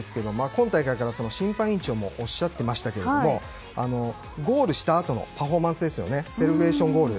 今大会から審判委員長もおっしゃっていましたけどゴールしたあとのパフォーマンスのセレブレーションゴール